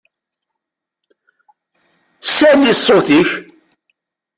Sali ṣṣut-ik!